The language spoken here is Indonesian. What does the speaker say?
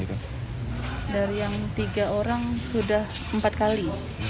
dari yang tiga orang sudah empat kali